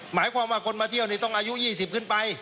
หมายความว่าคนมาเที่ยวนี่ต้องอายุ๒๐ขึ้นไป